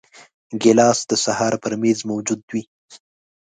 ګیلاس د سهار پر میز موجود وي.